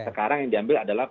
sekarang yang diambil adalah